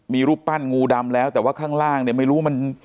มีรูปปั้นงูดำแล้วแต่ว่าข้างล่างเนี่ยไม่รู้มัน